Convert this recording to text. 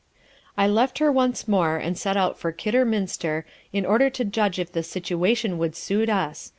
I left her once more, and set out for Kidderminster, in order to judge if the situation would suit us.